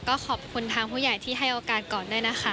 ก็ขอบคุณทางผู้ใหญ่ที่ให้โอกาสก่อนด้วยนะคะ